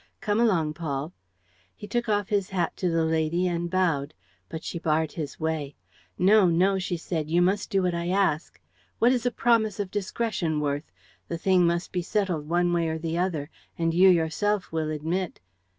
Come along, Paul.' He took off his hat to the lady and bowed. But she barred his way: 'No, no,' she said, 'you must do what I ask. What is a promise of discretion worth? The thing must be settled one way or the other; and you yourself will admit.